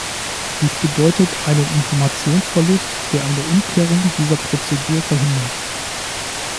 Dies bedeutet einen Informationsverlust, der eine Umkehrung dieser Prozedur verhindert.